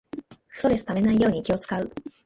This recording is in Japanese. ストレスためないように気をつかう